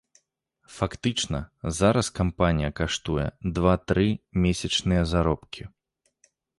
Фактычна, зараз кампанія каштуе два-тры месячныя заробкі.